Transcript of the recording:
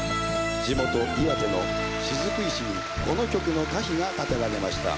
地元岩手の雫石にこの曲の歌碑が建てられました。